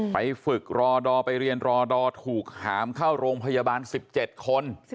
ไปฝึกรอดอไปเรียนรอดอถูกหามเข้าโรงพยาบาล๑๗คน